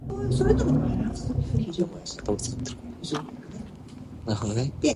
Bobrovsky started most of the games, and was named the Flyers playoff starter.